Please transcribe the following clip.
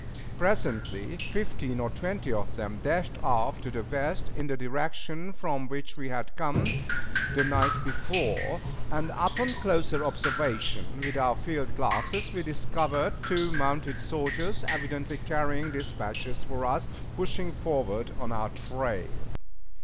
Presently fifteen or twenty of them dashed off to the west, in the direction from which we had come the night before; and upon closer observation with our field glasses we discovered two mounted soldiers, evidently carrying dispatches for us, pushing forward on our trail.